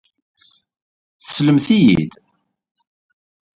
Teslamt-iyi-d.